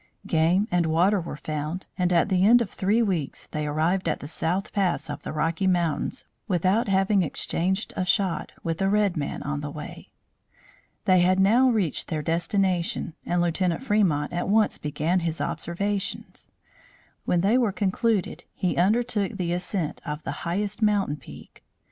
Game and water were found, and, at the end of three weeks, they arrived at the South Pass of the Rocky Mountains without having exchanged a shot with a red man on the way. They had now reached their destination and Lieutenant Fremont at once began his observations. When they were concluded he undertook the ascent of the highest mountain peak.